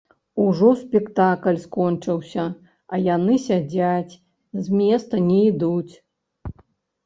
Ужо спектакль скончыўся, а яны сядзяць, з месца не ідуць.